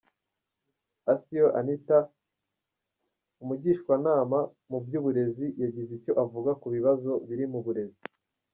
Asio Anita, umugishwanama mu by’uburezi, yagize icyo avuga ku bibazo biri mu burezi.